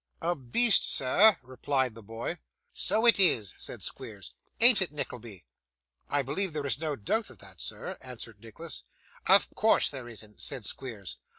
'A beast, sir,' replied the boy. 'So it is,' said Squeers. 'Ain't it, Nickleby?' 'I believe there is no doubt of that, sir,' answered Nicholas. 'Of course there isn't,' said Squeers.